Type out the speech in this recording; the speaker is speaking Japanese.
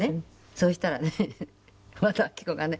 そうしたらね和田アキ子がね